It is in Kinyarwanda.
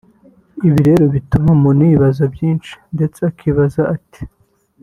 ibi rero bituma umuntu yibaza byinshi ndetse akibaza ati